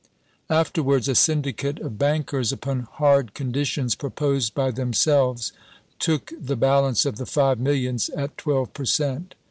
Afterwards a syndicate of bankers, upon hard con ditions proposed by themselves, took the balance of the five millions at twelve per cent.